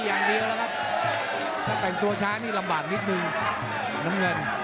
วันนี้ขึ้นลิฟต์มาเจอรุ่นพี่ด้วยรุ่นนี้มีสิงคล้องสี่